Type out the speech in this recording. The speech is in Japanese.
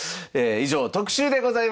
以上特集でございました。